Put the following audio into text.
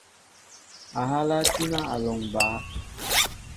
Ahala tína a lɔŋ baá.